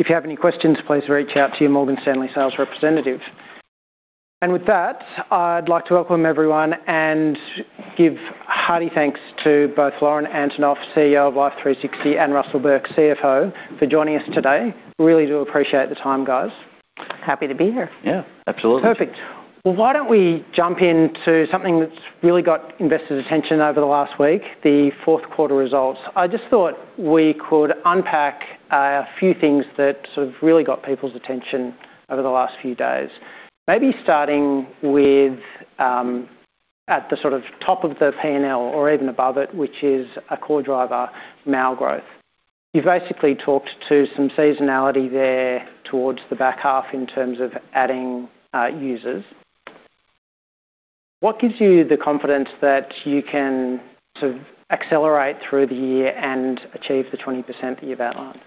If you have any questions, please reach out to your Morgan Stanley sales representative. With that, I'd like to welcome everyone and give hearty thanks to both Lauren Antonoff, CEO of Life360, and Russell Burke, CFO, for joining us today. Really do appreciate the time, guys. Happy to be here. Yeah, absolutely. Perfect. Why don't we jump into something that's really got investors' attention over the last week, the fourth quarter results? I just thought we could unpack a few things that sort of really got people's attention over the last few days. Maybe starting with at the sort of top of the P&L or even above it, which is a core driver, MAU growth. You basically talked to some seasonality there towards the back half in terms of adding users. What gives you the confidence that you can sort of accelerate through the year and achieve the 20% that you've outlined?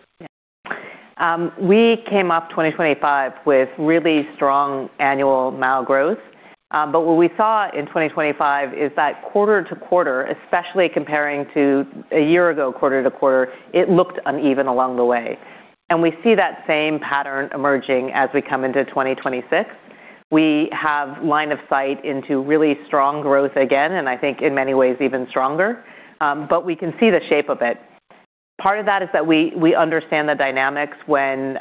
We came up 2025 with really strong annual MAU growth. What we saw in 2025 is that quarter-to-quarter, especially comparing to a year ago, quarter-to-quarter, it looked uneven along the way. We see that same pattern emerging as we come into 2026. We have line of sight into really strong growth again, and I think in many ways even stronger, but we can see the shape of it. Part of that is that we understand the dynamics when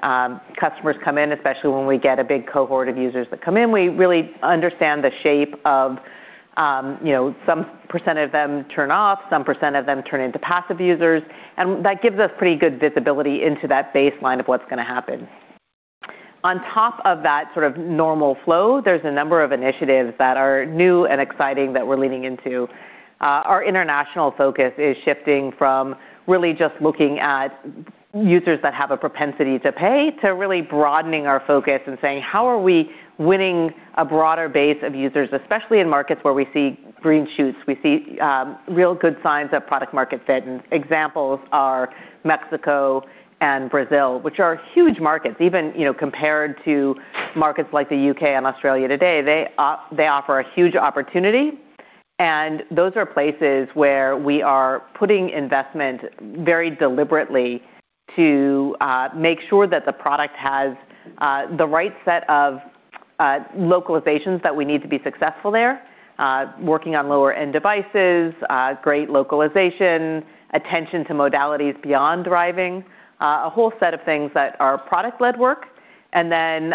customers come in, especially when we get a big cohort of users that come in. We really understand the shape of, you know, some percent of them turn off, some percent of them turn into passive users, and that gives us pretty good visibility into that baseline of what's gonna happen. On top of that sort of normal flow, there's a number of initiatives that are new and exciting that we're leaning into. Our international focus is shifting from really just looking at users that have a propensity to pay, to really broadening our focus and saying, "How are we winning a broader base of users?" Especially in markets where we see green shoots. We see real good signs of product market fit. Examples are Mexico and Brazil, which are huge markets even, you know, compared to markets like the U.K. and Australia today. They offer a huge opportunity, and those are places where we are putting investment very deliberately to make sure that the product has the right set of localizations that we need to be successful there. Working on lower-end devices, great localization, attention to modalities beyond driving, a whole set of things that are product-led work, and then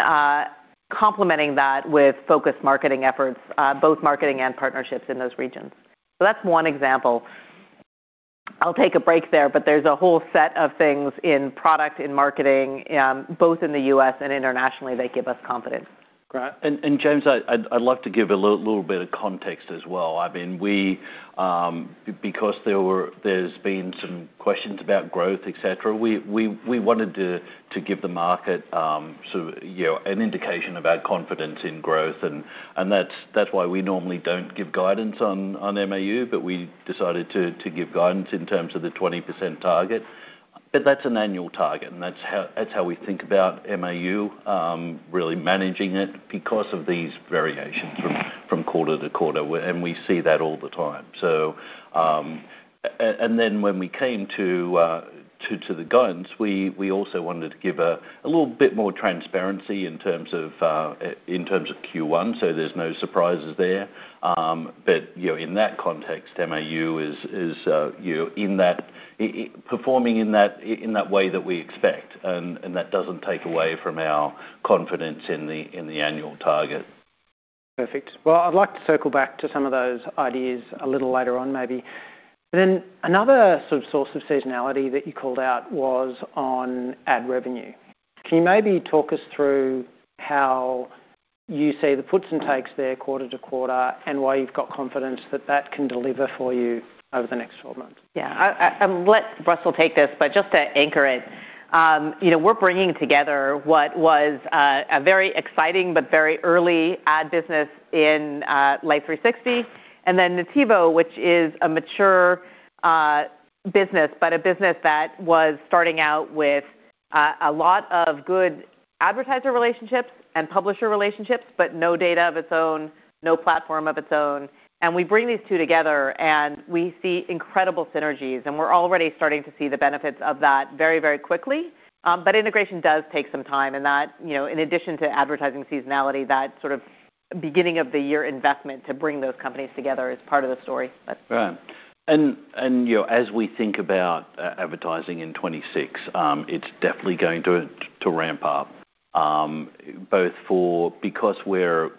complementing that with focused marketing efforts, both marketing and partnerships in those regions. That's one example. I'll take a break there. There's a whole set of things in product, in marketing, both in the U.S. and internationally that give us confidence. Great. James, I'd love to give a little bit of context as well. I mean, we, because there's been some questions about growth, et cetera, we wanted to give the market, sort of, you know, an indication of our confidence in growth and, that's why we normally don't give guidance on MAU, but we decided to give guidance in terms of the 20% target. That's an annual target, and that's how we think about MAU, really managing it because of these variations from quarter-to-quarter, and we see that all the time. And then when we came to the guidance, we also wanted to give a little bit more transparency in terms of Q1, so there's no surprises there. You know, in that context, MAU is, you know, performing in that way that we expect. That doesn't take away from our confidence in the annual target. Perfect. Well, I'd like to circle back to some of those ideas a little later on maybe. Another sort of source of seasonality that you called out was on ad revenue. Can you maybe talk us through how you see the puts and takes there quarter-to-quarter, and why you've got confidence that that can deliver for you over the next 12 months? Yeah. I let Russell take this, but just to anchor it. You know, we're bringing together what was a very exciting but very early ad business in Life360, and then Nativo, which is a mature business, but a business that was starting out with a lot of good advertiser relationships and publisher relationships, but no data of its own, no platform of its own. We bring these two together, and we see incredible synergies, and we're already starting to see the benefits of that very, very quickly. Integration does take some time and that, you know, in addition to advertising seasonality, that sort of beginning of the year investment to bring those companies together is part of the story. Right. you know, as we think about advertising in 2026, it's definitely going to ramp up because we're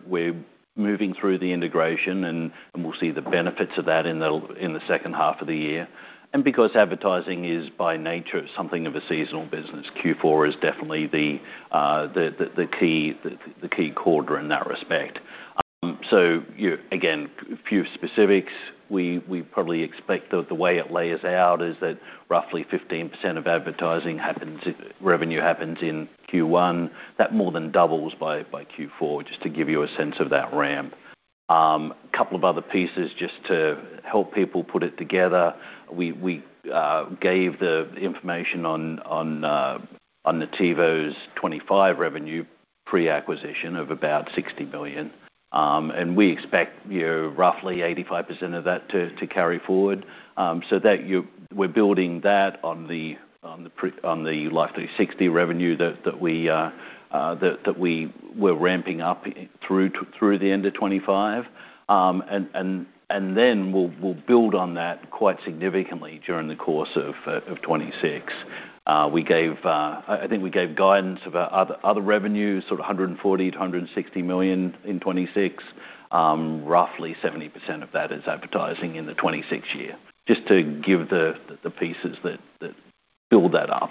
moving through the integration and we'll see the benefits of that in the second half of the year. Because advertising is by nature something of a seasonal business, Q4 is definitely the key quarter in that respect. you know, again, few specifics. We probably expect the way it layers out is that roughly 15% of advertising revenue happens in Q1. That more than doubles by Q4, just to give you a sense of that ramp. Couple of other pieces just to help people put it together. We gave the information on Nativo's 2025 revenue-Pre-acquisition of about $60 million. We expect, you know, roughly 85% of that to carry forward. That we're building that on the Life360 revenue that we were ramping up through the end of 2025. And then we'll build on that quite significantly during the course of 2026. I think we gave guidance of other revenues, sort of $140 million-$160 million in 2026. Roughly 70% of that is advertising in the 2026 year. Just to give the pieces that build that up.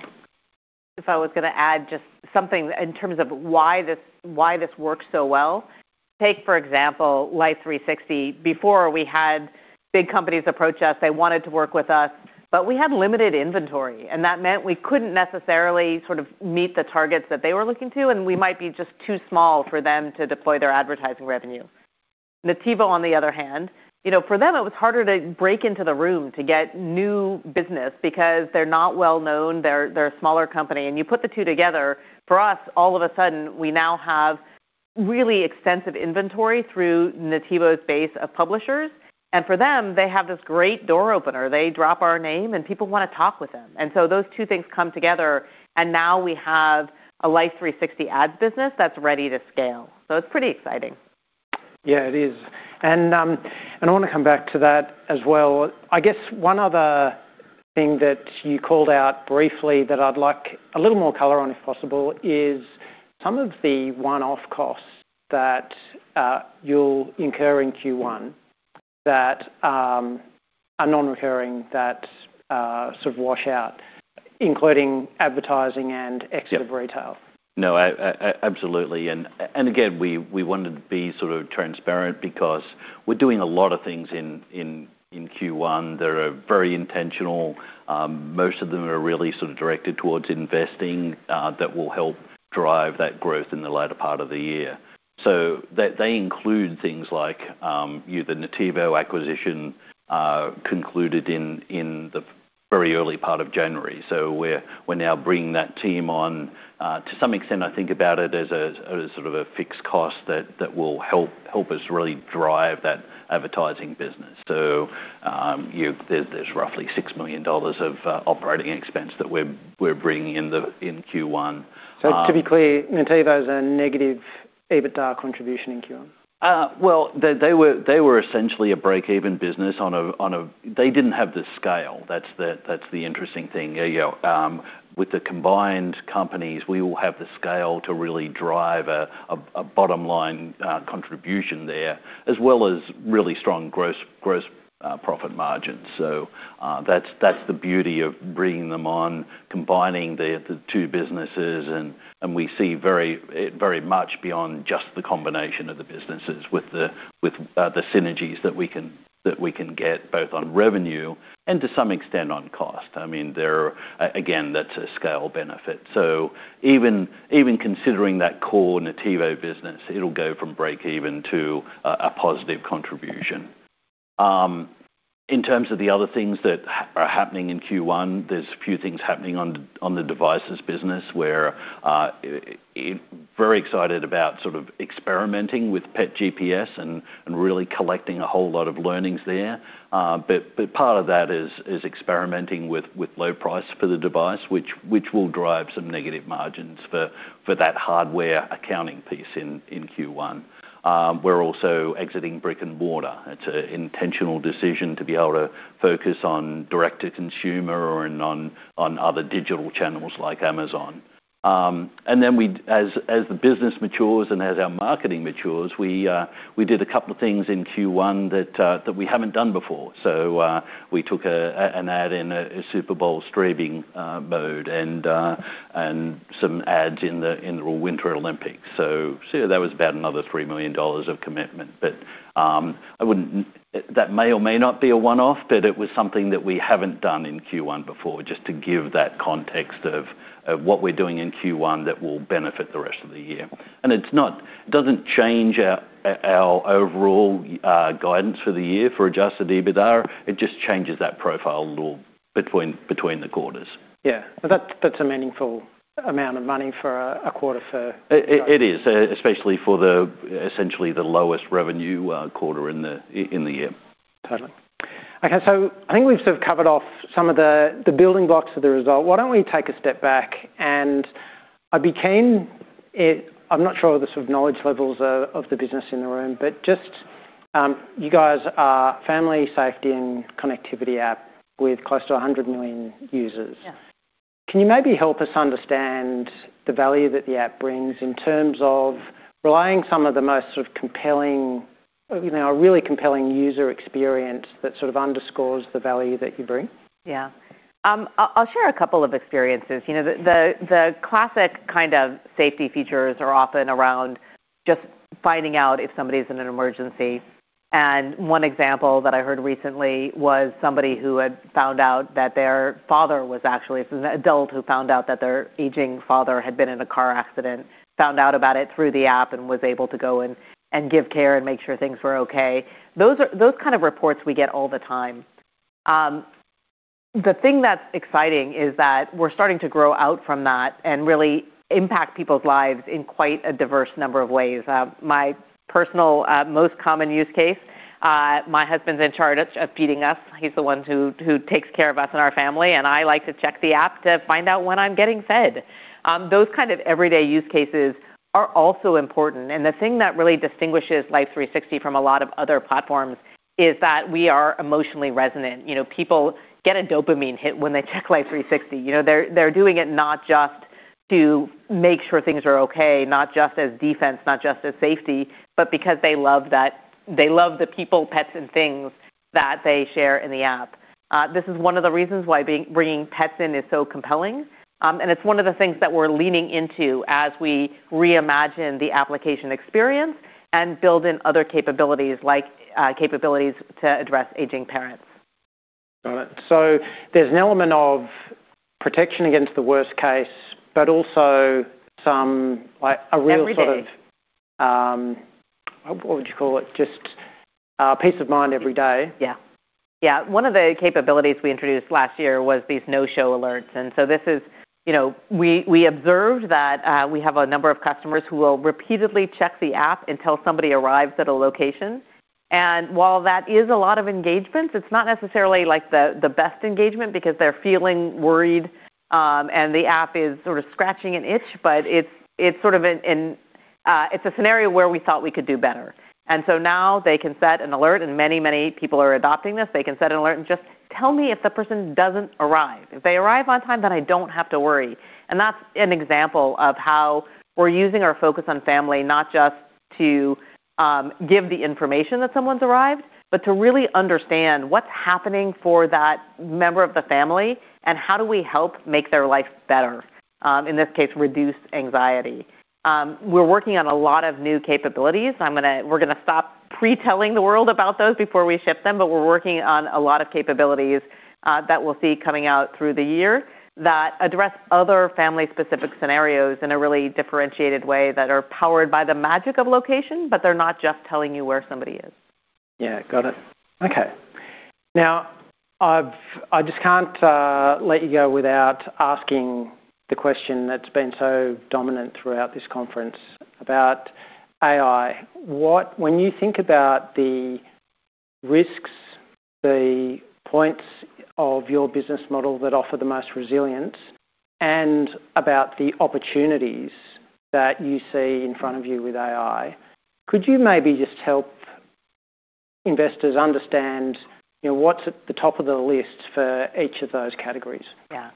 If I was gonna add just something in terms of why this, why this works so well. Take for example, Life360. Before we had big companies approach us, they wanted to work with us, but we had limited inventory, and that meant we couldn't necessarily sort of meet the targets that they were looking to, and we might be just too small for them to deploy their advertising revenue. Nativo, on the other hand, you know, for them it was harder to break into the room to get new business because they're not well-known, they're a smaller company. You put the two together, for us, all of a sudden, we now have really extensive inventory through Nativo's base of publishers. For them, they have this great door opener. They drop our name, and people wanna talk with them. Those two things come together, and now we have a Life360 ads business that's ready to scale. It's pretty exciting. Yeah, it is. I wanna come back to that as well. I guess one other thing that you called out briefly that I'd like a little more color on, if possible, is some of the one-off costs that you'll incur in Q1 that are non-recurring that sort of wash out, including advertising and exit of retail. No, absolutely. Again, we wanted to be sort of transparent because we're doing a lot of things in Q1 that are very intentional. Most of them are really sort of directed towards investing that will help drive that growth in the latter part of the year. They include things like, you know, the Nativo acquisition concluded in the very early part of January. We're now bringing that team on. To some extent, I think about it as a sort of a fixed cost that will help us really drive that advertising business. You know, there's roughly $6 million of operating expense that we're bringing in Q1. just to be clear, Nativo is a negative EBITDA contribution in Q1? Well, they were essentially a break-even business. They didn't have the scale. That's the interesting thing. You know, with the combined companies, we will have the scale to really drive a bottom line contribution there, as well as really strong gross profit margins. That's the beauty of bringing them on, combining the two businesses and we see very much beyond just the combination of the businesses with the synergies that we can get both on revenue and to some extent on cost. There are, again, that's a scale benefit. Even considering that core Nativo business, it'll go from break even to a positive contribution. In terms of the other things that are happening in Q1, there's a few things happening on the devices business where very excited about sort of experimenting with pet GPS and really collecting a whole lot of learnings there. Part of that is experimenting with low price for the device which will drive some negative margins for that hardware accounting piece in Q1. We're also exiting brick-and-mortar. It's an intentional decision to be able to focus on direct-to-consumer and on other digital channels like Amazon. As the business matures and as our marketing matures, we did a couple of things in Q1 that we haven't done before. We took an ad in a Super Bowl streaming mode and some ads in the Winter Olympics. That was about another $3 million of commitment. That may or may not be a one-off, but it was something that we haven't done in Q1 before, just to give that context of what we're doing in Q1 that will benefit the rest of the year. It doesn't change our overall guidance for the year for adjusted EBITDA. It just changes that profile a little between the quarters. Yeah. That's a meaningful amount of money for a quarter. It is, especially for the, essentially the lowest revenue quarter in the year. Totally. Okay. I think we've sort of covered off some of the building blocks of the result. Why don't we take a step back? I'd be keen if... I'm not sure of the sort of knowledge levels of the business in the room, but just, you guys are family safety and connectivity app with close to 100 million users. Yeah. Can you maybe help us understand the value that the app brings in terms of relying some of the most sort of compelling, you know, a really compelling user experience that sort of underscores the value that you bring? Yeah. I'll share a couple of experiences. You know, the classic kind of safety features are often around just finding out if somebody's in an emergency. One example that I heard recently was somebody who had found out that their father was actually... It was an adult who found out that their aging father had been in a car accident, found out about it through the app, and was able to go and give care and make sure things were okay. Those kind of reports we get all the time. The thing that's exciting is that we're starting to grow out from that and really impact people's lives in quite a diverse number of ways. My personal most common use case, my husband's in charge of feeding us. He's the one who takes care of us and our family, and I like to check the app to find out when I'm getting fed. Those kind of everyday use cases are also important. And the thing that really distinguishes Life360 from a lot of other platforms is that we are emotionally resonant. You know, people get a dopamine hit when they check Life360. You know, they're doing it not just to make sure things are okay, not just as defense, not just as safety, but because they love that. They love the people, pets, and things that they share in the app. This is one of the reasons why bringing pets in is so compelling, and it's one of the things that we're leaning into as we reimagine the application experience and build in other capabilities like capabilities to address aging parents. Got it. there's an element of protection against the worst case, but also some, like, a real sort of. Every day. What would you call it? Just, peace of mind every day. Yeah. One of the capabilities we introduced last year was these No Show Alerts. This is, you know, we observed that we have a number of customers who will repeatedly check the app until somebody arrives at a location. While that is a lot of engagement, it's not necessarily like the best engagement because they're feeling worried, and the app is sort of scratching an itch, but it's sort of a scenario where we thought we could do better. Now they can set an alert, and many people are adopting this. They can set an alert and just tell me if the person doesn't arrive. If they arrive on time, I don't have to worry. That's an example of how we're using our focus on family not just to give the information that someone's arrived, but to really understand what's happening for that member of the family and how do we help make their life better, in this case, reduce anxiety. We're working on a lot of new capabilities. We're gonna stop pre-telling the world about those before we ship them, but we're working on a lot of capabilities that we'll see coming out through the year that address other family-specific scenarios in a really differentiated way that are powered by the magic of location, but they're not just telling you where somebody is. Got it. Okay. Now, I just can't let you go without asking the question that's been so dominant throughout this conference about AI. When you think about the risks, the points of your business model that offer the most resilience, and about the opportunities that you see in front of you with AI, could you maybe just help investors understand, you know, what's at the top of the list for each of those categories? Yeah.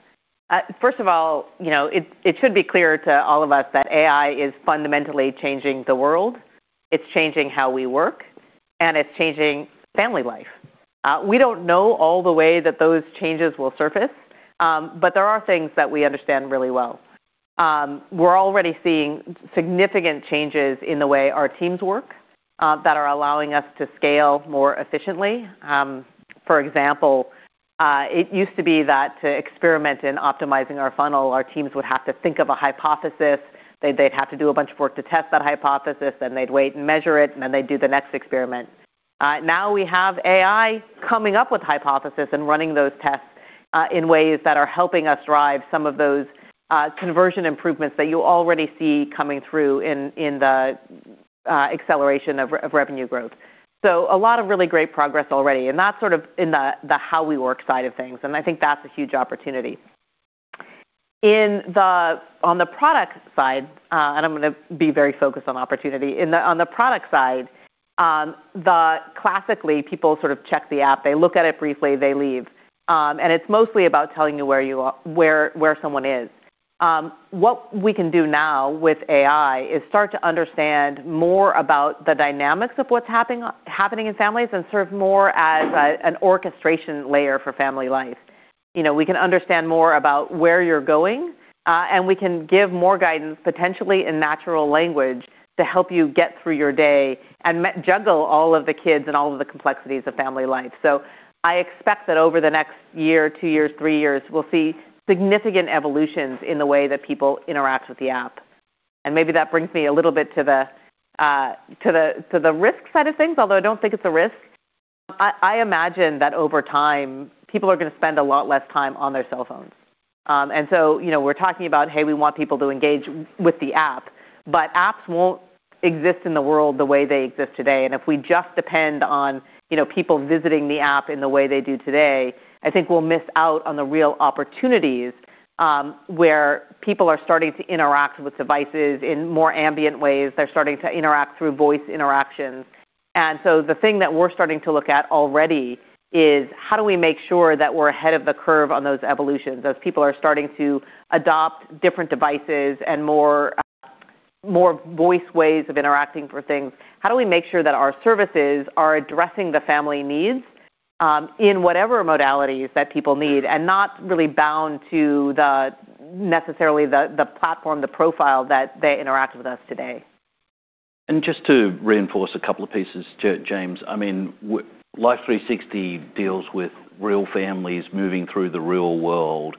First of all, you know, it should be clear to all of us that AI is fundamentally changing the world. It's changing how we work, and it's changing family life. We don't know all the way that those changes will surface, but there are things that we understand really well. We're already seeing significant changes in the way our teams work that are allowing us to scale more efficiently. For example, it used to be that to experiment in optimizing our funnel, our teams would have to think of a hypothesis. They'd have to do a bunch of work to test that hypothesis, then they'd wait and measure it, and then they'd do the next experiment. Now we have AI coming up with hypotheses and running those tests in ways that are helping us drive some of those conversion improvements that you already see coming through in the acceleration of revenue growth. A lot of really great progress already, and that's sort of in the how we work side of things, and I think that's a huge opportunity. On the product side, and I'm gonna be very focused on opportunity. On the product side, classically, people sort of check the app, they look at it briefly, they leave. It's mostly about telling you where someone is. What we can do now with AI is start to understand more about the dynamics of what's happening in families and serve more as an orchestration layer for family life. You know, we can understand more about where you're going, and we can give more guidance, potentially in natural language, to help you get through your day and juggle all of the kids and all of the complexities of family life. I expect that over the next year, two years, three years, we'll see significant evolutions in the way that people interact with the app. Maybe that brings me a little bit to the risk side of things, although I don't think it's a risk. I imagine that over time, people are gonna spend a lot less time on their cell phones. You know, we're talking about, hey, we want people to engage with the app, but apps won't exist in the world the way they exist today. If we just depend on, you know, people visiting the app in the way they do today, I think we'll miss out on the real opportunities, where people are starting to interact with devices in more ambient ways. They're starting to interact through voice interactions. The thing that we're starting to look at already is how do we make sure that we're ahead of the curve on those evolutions as people are starting to adopt different devices and more, more voice ways of interacting for things? How do we make sure that our services are addressing the family needs, in whatever modalities that people need and not really bound to the, necessarily the platform, the profile that they interact with us today? Just to reinforce a couple of pieces, James. I mean, Life360 deals with real families moving through the real world.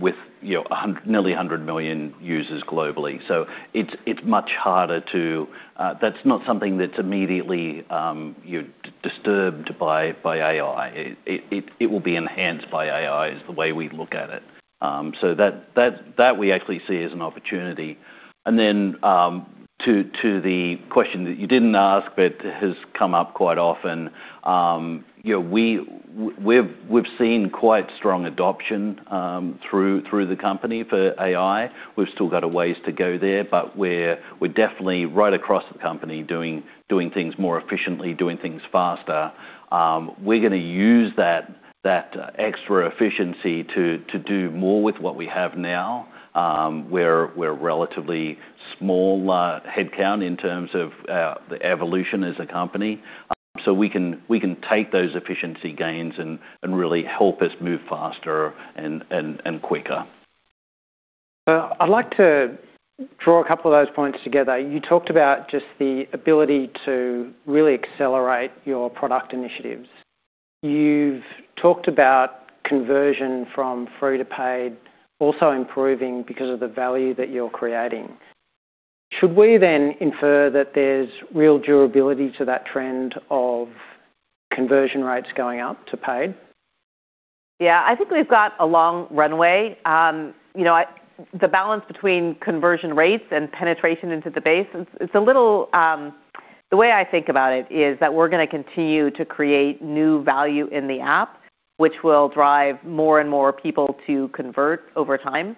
With, you know, nearly 100 million users globally. It's much harder to. That's not something that's immediately disturbed by AI. It will be enhanced by AI is the way we look at it. That we actually see as an opportunity. To the question that you didn't ask but has come up quite often, you know, we've seen quite strong adoption through the company for AI. We've still got a ways to go there, but we're definitely right across the company doing things more efficiently, doing things faster. We're gonna use that extra efficiency to do more with what we have now. We're relatively small headcount in terms of the evolution as a company. We can take those efficiency gains and really help us move faster and quicker. I'd like to draw a couple of those points together. You talked about just the ability to really accelerate your product initiatives. You've talked about conversion from free to paid also improving because of the value that you're creating. Should we then infer that there's real durability to that trend of conversion rates going up to paid? Yeah. I think we've got a long runway. You know, the balance between conversion rates and penetration into the base, it's a little. The way I think about it is that we're gonna continue to create new value in the app, which will drive more and more people to convert over time.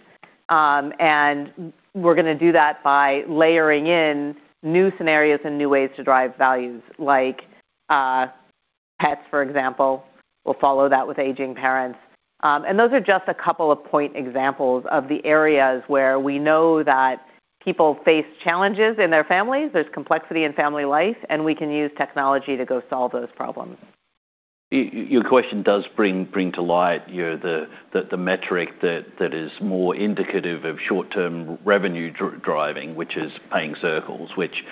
We're gonna do that by layering in new scenarios and new ways to drive values like pets, for example. We'll follow that with aging parents. Those are just a couple of point examples of the areas where we know that people face challenges in their families. There's complexity in family life. We can use technology to go solve those problems. Your question does bring to light, you know, the metric that is more indicative of short-term revenue driving, which is Paying Circles, which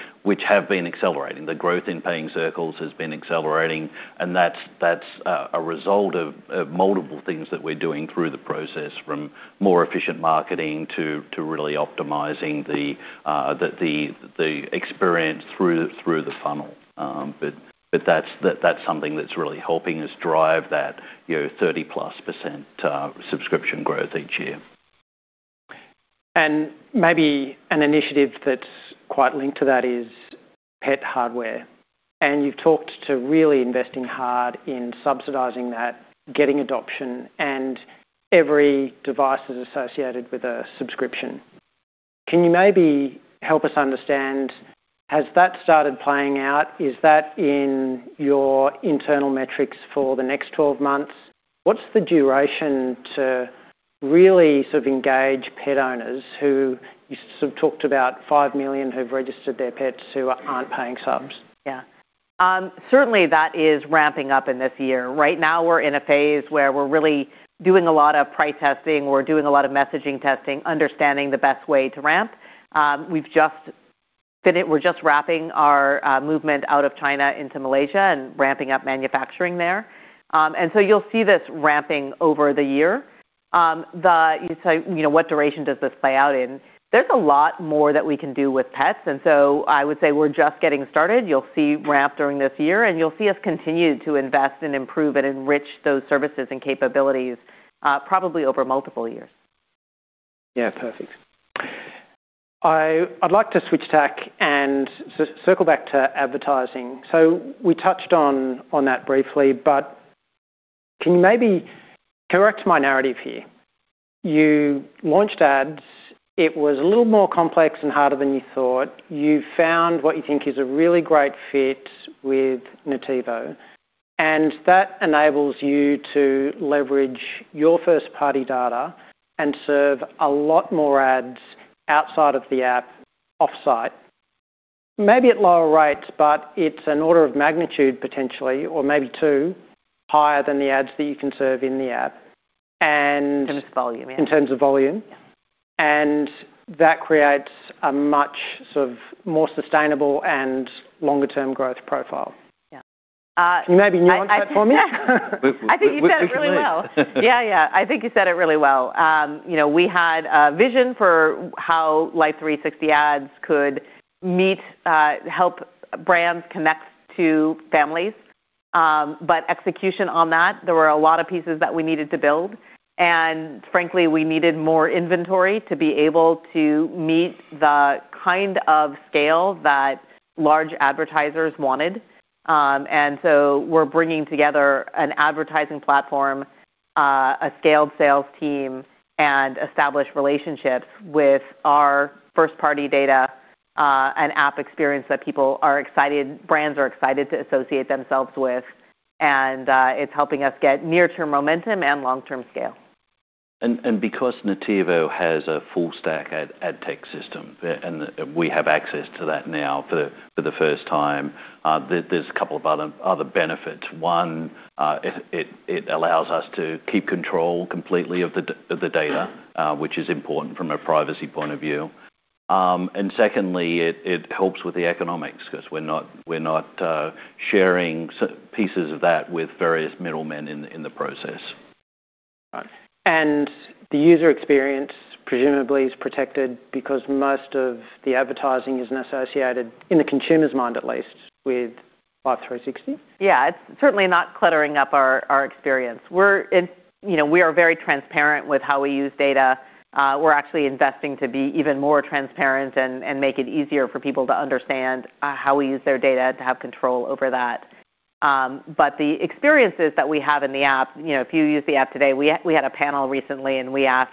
have been accelerating. The growth in Paying Circles has been accelerating, and that's a result of multiple things that we're doing through the process, from more efficient marketing to really optimizing the experience through the funnel. That's something that's really helping us drive that, you know, 30%+ subscription growth each year. Maybe an initiative that's quite linked to that is pet hardware. You've talked to really investing hard in subsidizing that, getting adoption, and every device is associated with a subscription. Can you maybe help us understand, has that started playing out? Is that in your internal metrics for the next 12 months? What's the duration to really sort of engage pet owners who you sort of talked about five million who've registered their pets who aren't paying subs? Yeah. Certainly that is ramping up in this year. Right now, we're in a phase where we're really doing a lot of price testing, we're doing a lot of messaging testing, understanding the best way to ramp. We're just wrapping our movement out of China into Malaysia and ramping up manufacturing there. You'll see this ramping over the year. You say, you know, what duration does this play out in? There's a lot more that we can do with pets. I would say we're just getting started. You'll see ramp during this year, and you'll see us continue to invest and improve and enrich those services and capabilities, probably over multiple years. Yeah. Perfect. I'd like to switch tack and circle back to advertising. We touched on that briefly, but can you maybe correct my narrative here. You launched ads, it was a little more complex and harder than you thought. You found what you think is a really great fit with Nativo, that enables you to leverage your first-party data and serve a lot more ads outside of the app offsite, maybe at lower rates, but it's an order of magnitude potentially or maybe two higher than the ads that you can serve in the app. In terms of volume, yeah. In terms of volume. Yeah. That creates a much sort of more sustainable and longer-term growth profile. Yeah. Can you maybe nuance that for me? I think you said it really well. This is me. Yeah, yeah. I think you said it really well. you know, we had a vision for how Life360 ads could meet, help brands connect to families. Execution on that, there were a lot of pieces that we needed to build. Frankly, we needed more inventory to be able to meet the kind of scale that large advertisers wanted. So we're bringing together an advertising platform, a scaled sales team, and established relationships with our first-party data, an app experience that brands are excited to associate themselves with. It's helping us get near-term momentum and long-term scale. Because Nativo has a full-stack ad tech system, and we have access to that now for the first time, there's a couple of other benefits. One, it allows us to keep control completely of the data, which is important from a privacy point of view. Secondly, it helps with the economics 'cause we're not sharing pieces of that with various middlemen in the process. Right. The user experience presumably is protected because most of the advertising isn't associated, in the consumer's mind at least, with Life360? Yeah. It's certainly not cluttering up our experience. You know, we are very transparent with how we use data. We're actually investing to be even more transparent and make it easier for people to understand how we use their data to have control over that. The experiences that we have in the app, you know, if you use the app today, we had a panel recently, we asked,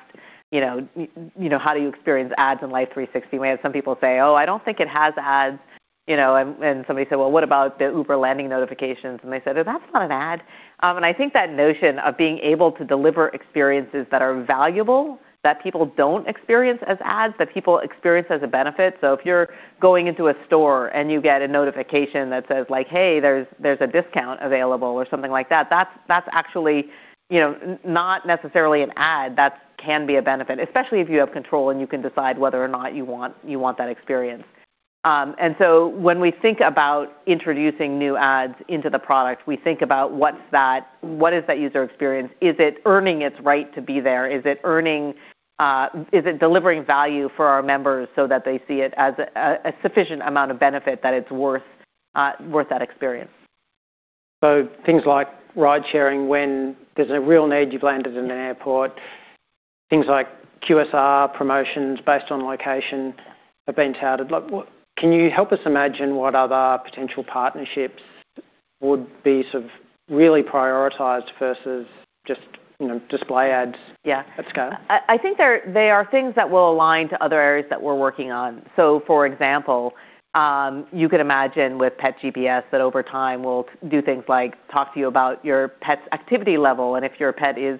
you know, you know, "How do you experience ads in Life360?" We had some people say, "Oh, I don't think it has ads." You know, somebody said, "Well, what about the Uber landing notifications?" They said, "Oh, that's not an ad." I think that notion of being able to deliver experiences that are valuable, that people don't experience as ads, that people experience as a benefit. If you're going into a store and you get a notification that says like, "Hey, there's a discount available," or something like that's actually, you know, not necessarily an ad. That can be a benefit, especially if you have control and you can decide whether or not you want, you want that experience. When we think about introducing new ads into the product, we think about what is that user experience? Is it earning its right to be there? Is it earning, is it delivering value for our members so that they see it as a sufficient amount of benefit that it's worth that experience? things like ride-sharing when there's a real need, you've landed in an airport. Things like QSR promotions based on location have been touted. Can you help us imagine what other potential partnerships would be sort of really prioritized versus just, you know, display ads? Yeah. at scale? I think they are things that will align to other areas that we're working on. For example, you could imagine with Pet GPS that over time we'll do things like talk to you about your pet's activity level and if your pet is,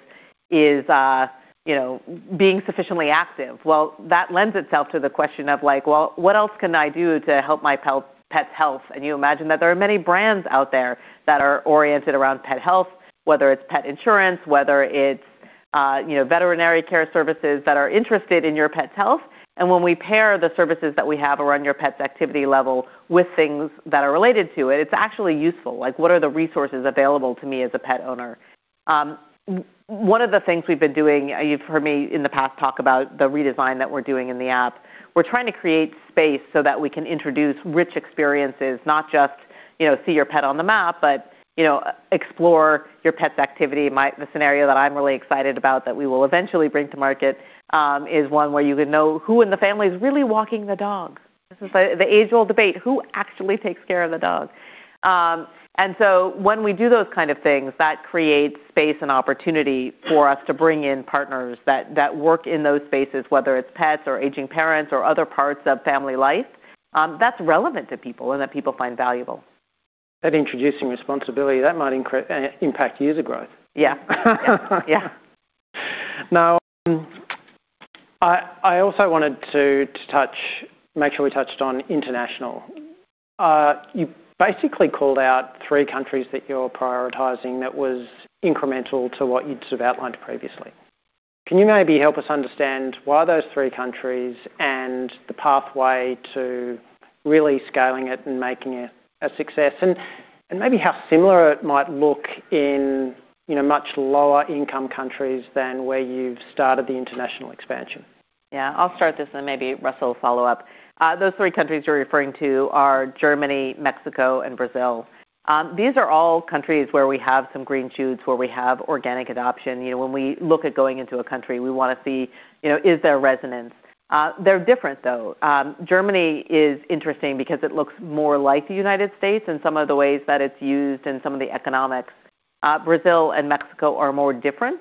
you know, being sufficiently active. That lends itself to the question of, like, well, what else can I do to help my pet's health? You imagine that there are many brands out there that are oriented around pet health, whether it's pet insurance, whether it's, you know, veterinary care services that are interested in your pet's health. When we pair the services that we have around your pet's activity level with things that are related to it's actually useful. Like, what are the resources available to me as a pet owner? One of the things we've been doing, you've heard me in the past talk about the redesign that we're doing in the app. We're trying to create space so that we can introduce rich experiences, not just, you know, see your pet on the map, but, you know, explore your pet's activity. The scenario that I'm really excited about that we will eventually bring to market, is one where you would know who in the family is really walking the dog. This is the age-old debate, who actually takes care of the dog? When we do those kind of things, that creates space and opportunity for us to bring in partners that work in those spaces, whether it's pets or aging parents or other parts of family life, that's relevant to people and that people find valuable. Introducing responsibility, that might impact user growth. Yeah. Yeah. I also wanted to make sure we touched on international. You basically called out three countries that you're prioritizing that was incremental to what you'd sort of outlined previously. Can you maybe help us understand why those three countries and the pathway to really scaling it and making it a success and maybe how similar it might look in, you know, much lower income countries than where you've started the international expansion? Yeah. I'll start this and maybe Russell will follow up. Those three countries you're referring to are Germany, Mexico, and Brazil. These are all countries where we have some green shoots, where we have organic adoption. You know, when we look at going into a country, we wanna see, you know, is there resonance? They're different, though. Germany is interesting because it looks more like the United States in some of the ways that it's used and some of the economics. Brazil and Mexico are more different.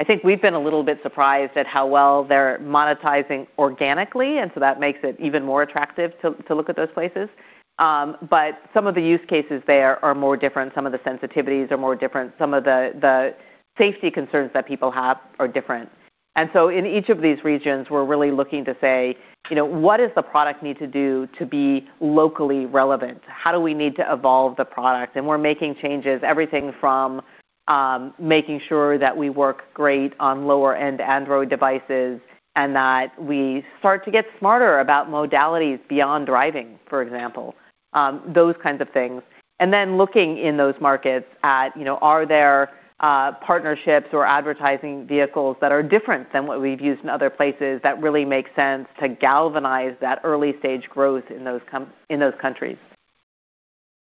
I think we've been a little bit surprised at how well they're monetizing organically. That makes it even more attractive to look at those places. Some of the use cases there are more different. Some of the sensitivities are more different. Some of the safety concerns that people have are different. In each of these regions, we're really looking to say, you know, what does the product need to do to be locally relevant? How do we need to evolve the product? We're making changes, everything from, making sure that we work great on lower-end Android devices and that we start to get smarter about modalities beyond driving, for example, those kinds of things. Looking in those markets at, you know, are there, partnerships or advertising vehicles that are different than what we've used in other places that really make sense to galvanize that early-stage growth in those countries.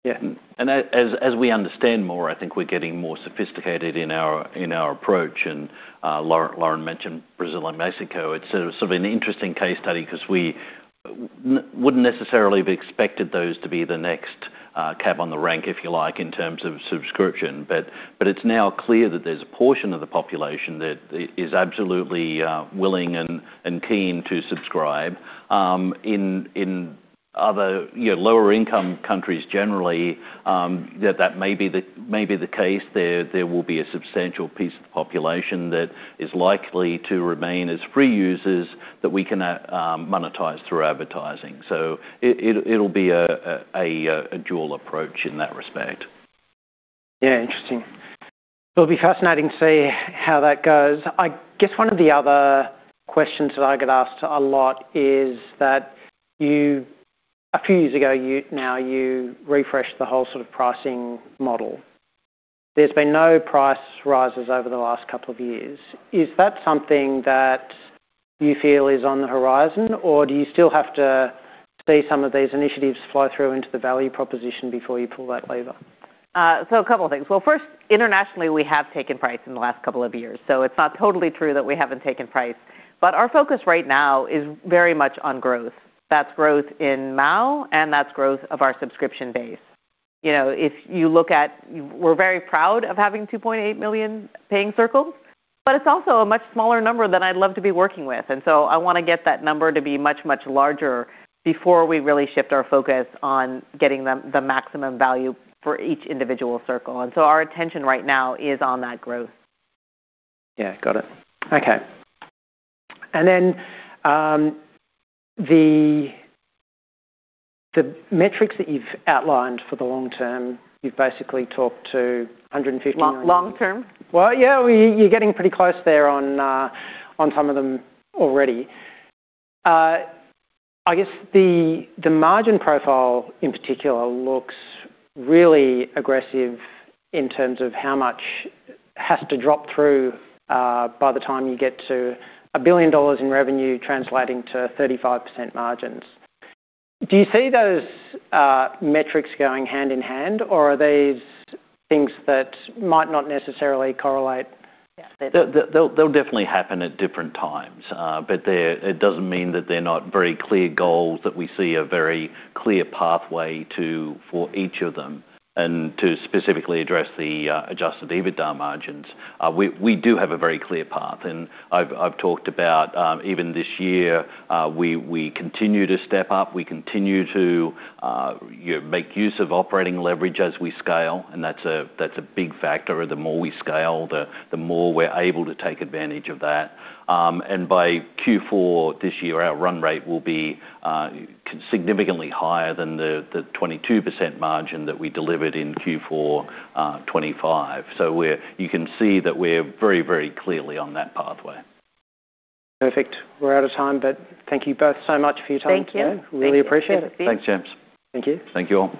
Yeah. As we understand more, I think we're getting more sophisticated in our approach. Lauren mentioned Brazil and Mexico. It's sort of an interesting case study 'cause we wouldn't necessarily have expected those to be the next cab on the rank, if you like, in terms of subscription. It's now clear that there's a portion of the population that is absolutely willing and keen to subscribe. In other, you know, lower income countries generally, that may be the case. There will be a substantial piece of the population that is likely to remain as free users that we can monetize through advertising. It'll be a dual approach in that respect. Interesting. It'll be fascinating to see how that goes. I guess one of the other questions that I get asked a lot is that a few years ago, now you refreshed the whole sort of pricing model. There's been no price rises over the last couple of years. Is that something that you feel is on the horizon, or do you still have to see some of these initiatives flow through into the value proposition before you pull that lever? A couple of things. Well, first, internationally, we have taken price in the last couple of years, so it's not totally true that we haven't taken price. Our focus right now is very much on growth. That's growth in MAU, and that's growth of our subscription base. You know, if you look at... We're very proud of having 2.8 million Paying Circles, but it's also a much smaller number than I'd love to be working with. I wanna get that number to be much, much larger before we really shift our focus on getting them the maximum value for each individual Circle. Our attention right now is on that growth. Yeah, got it. Okay. Then the metrics that you've outlined for the long term, you've basically talked to 150 million- Long term? Well, yeah, you're getting pretty close there on some of them already. I guess the margin profile, in particular, looks really aggressive in terms of how much has to drop through by the time you get to $1 billion in revenue translating to 35% margins. Do you see those metrics going hand in hand, or are these things that might not necessarily correlate? Yeah. They'll definitely happen at different times, but it doesn't mean that they're not very clear goals, that we see a very clear pathway to for each of them. To specifically address the adjusted EBITDA margins, we do have a very clear path, and I've talked about even this year, we continue to step up. We continue to, you know, make use of operating leverage as we scale, and that's a big factor. The more we scale, the more we're able to take advantage of that. By Q4 this year, our run rate will be significantly higher than the 22% margin that we delivered in Q4 2025. You can see that we're very clearly on that pathway. Perfect. We're out of time, but thank you both so much for your time. Thank you. Yeah. Really appreciate it. Thank you. Thanks, James. Thank you. Thank you all.